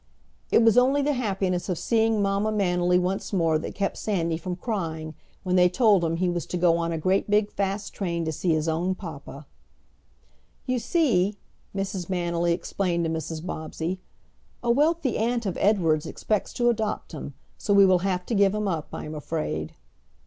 It was only the happiness of seeing Mamma Manily once more that kept Sandy from crying when they told him he was to go on a great big fast train to see his own papa. "You see," Mrs. Manily explained to Mrs. Bobbsey, "a wealthy aunt of Edward's expects to adopt him, so we will have to give him up, I am afraid."